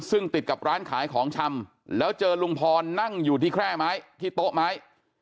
ซึ่งติดกับร้านขายของชำแล้วเจอลุงพรนั่งอยู่ที่แคร่ไม้ที่โต๊ะไม้